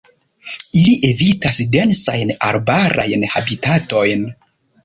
Ili evitas densajn arbarajn habitatojn.